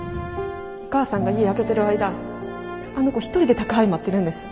お母さんが家空けてる間あの子一人で宅配待ってるんです。